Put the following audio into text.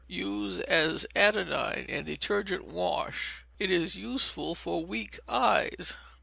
Use as anodyne and detergent wash: it is useful for weak eyes.